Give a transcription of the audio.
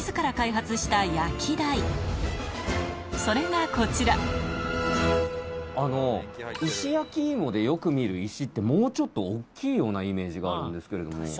それがこちらあの石焼き芋でよく見る石ってもうちょっと大っきいようなイメージがあるんですけれども。